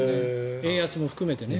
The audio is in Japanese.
円安も含めてね。